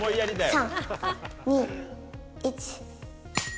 ３２１。